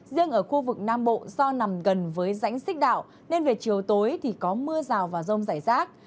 riêng ở khu vực nam bộ do nằm gần với rãnh xích đạo nên về chiều tối thì có mưa rào và rông rải rác